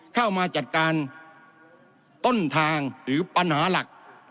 เข้ามาจัดการต้นทางหรือปัญหาหลัก